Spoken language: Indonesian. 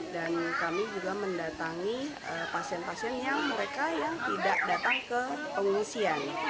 dan kami juga mendatangi pasien pasien yang mereka yang tidak datang ke pengungsian